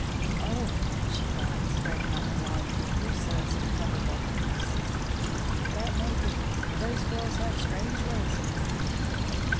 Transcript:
"Oh!" she cried, spreading out her long fingers so as to cover both pieces. "That may be; those girls have strange ways with them."